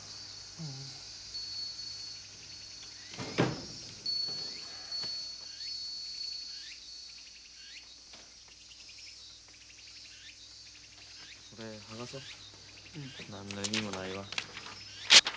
何の意味もないわ。